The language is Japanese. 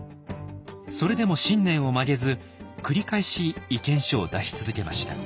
それでも信念を曲げず繰り返し意見書を出し続けました。